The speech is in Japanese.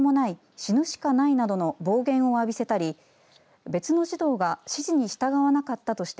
死ぬしかないなどの暴言をあびせたり別の児童が指示に従わなかったとして